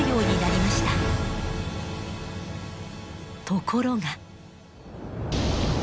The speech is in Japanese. ところが。